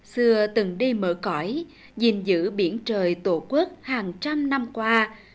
xưa từng đi mở cõi dình dự biển trời tổ quốc hàng trăm năm qua